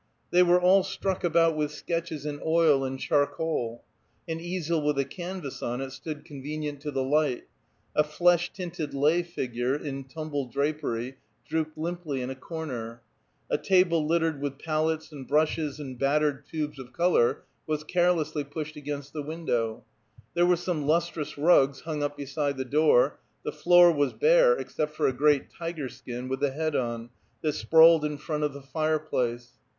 They were all stuck about with sketches in oil and charcoal. An easel with a canvas on it stood convenient to the light; a flesh tinted lay figure in tumbled drapery drooped limply in a corner; a table littered with palettes and brushes and battered tubes of color was carelessly pushed against the window; there were some lustrous rugs hung up beside the door; the floor was bare except for a great tiger skin, with the head on, that sprawled in front of the fire place.